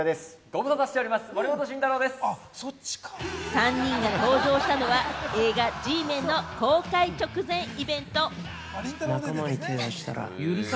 ３人が登場したのは、映画『Ｇメン』の公開直前イベント。